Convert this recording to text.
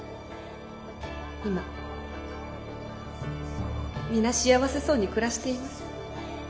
今皆幸せそうに暮らしています。